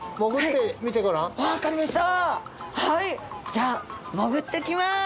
じゃあ潜ってきます。